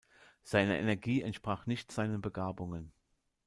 Seine Energie entsprach nicht seinen Begabungen.